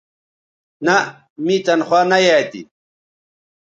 نہء می تنخوا نہ یایئ تھی